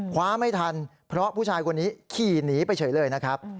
คว้าไม่ทันเพราะผู้ชายคนนี้ขี่หนีไปเฉยเลยนะครับ